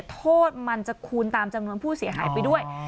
โทษมันจะคูณตามจำนวนผู้เสียหายไปด้วย